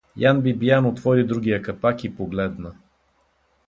Ян Бибиян отвори другия капак и погледна.